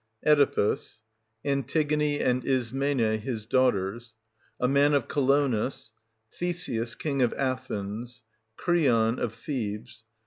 Oedipus. Antigone) > his daughters, ISMENE J A Man of Colonus. Theseus, King of Athens, Creon, of Thebes.